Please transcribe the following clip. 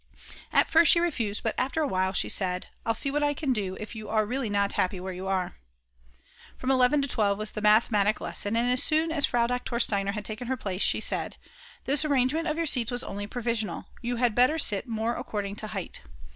At first she refused, but after a while she said: "I'll see what I can do, if you are really not happy where you are." From 11 to 12 was the mathematic lesson, and as soon as Frau Doktor Steiner had taken her place she said: "This arrangement of your seats was only provisional. You had better sit more according to height."